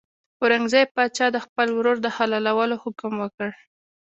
اورنګزېب پاچا د خپل ورور د حلالولو حکم وکړ.